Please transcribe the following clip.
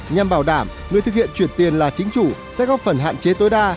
nhằm bảo đảm người thực hiện chuyển tiền là chính chủ sẽ góp phần hạn chế tối đa